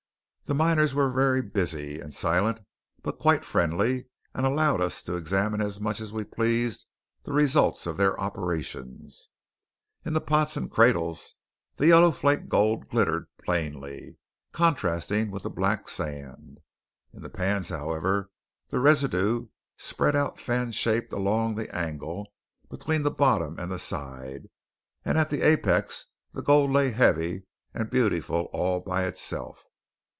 The miners were very busy and silent, but quite friendly, and allowed us to examine as much as we pleased the results of their operations. In the pots and cradles the yellow flake gold glittered plainly, contrasting with the black sand. In the pans, however, the residue spread out fan shaped along the angle between the bottom and the side, and at the apex the gold lay heavy and beautiful all by itself.